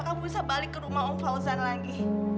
kamu bisa balik ke rumah om fauzan lagi